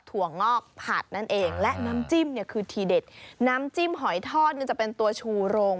ถั่วงอกผัดนั่นเองและน้ำจิ้มเนี่ยคือน้ำจิ้มถอดนี่จะเป็นตัวชูโรง